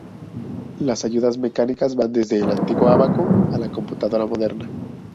Las ayudas mecánicas van desde el antiguo ábaco a la computadora moderna.